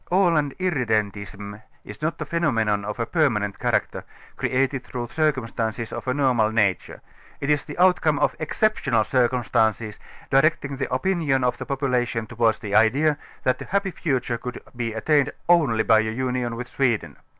Aland Irredentism is not a phenomenon of a permanent character, created through circumstances of a normal nature; it is the outcome of exceptional circumstances, directing the opinion of the population towards the idea, that a happy future could be attained only by a union with Sweden.